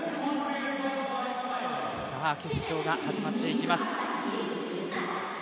決勝が始まっていきます。